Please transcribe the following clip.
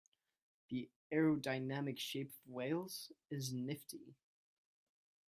The aerodynamic shape of whales is nifty.